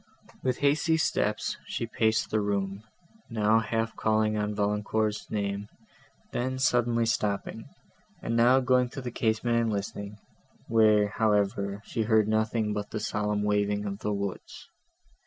With hasty steps she paced the room, now half calling on Valancourt's name, then suddenly stopping, and now going to the casement and listening, where, however, she heard nothing but the solemn waving of the woods.